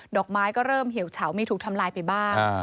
อกไม้ก็เริ่มเหี่ยวเฉามีถูกทำลายไปบ้าง